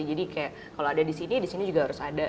jadi seperti kalau ada di sini di sini juga harus ada